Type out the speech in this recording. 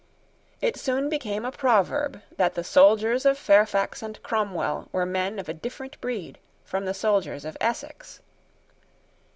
It soon became a proverb that the soldiers of Fairfax and Cromwell were men of a different breed from the soldiers of Essex.